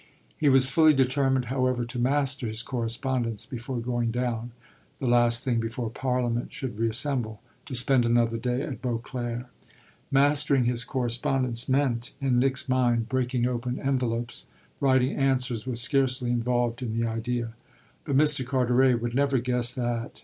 He was fully determined, however, to master his correspondence before going down, the last thing before Parliament should reassemble, to spend another day at Beauclere. Mastering his correspondence meant, in Nick's mind, breaking open envelopes; writing answers was scarcely involved in the idea. But Mr. Carteret would never guess that.